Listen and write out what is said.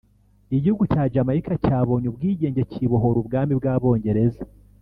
Igihugu cya Jamaica cyabonye ubwigenge Cyibohora Ubwami bw’Abongereza